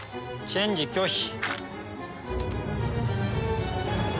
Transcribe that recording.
チェンジ拒否。